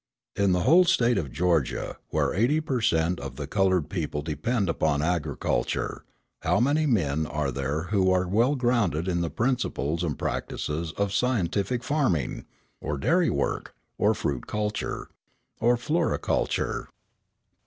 In the whole State of Georgia, where eighty per cent. of the coloured people depend upon agriculture, how many men are there who are well grounded in the principles and practices of scientific farming? or dairy work? or fruit culture? or floriculture?